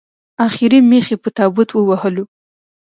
اخري مېخ یې په تابوت ووهلو